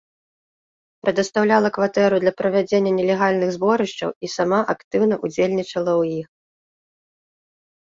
Прадастаўляла кватэру для правядзення нелегальных зборышчаў і сама актыўна ўдзельнічала ў іх.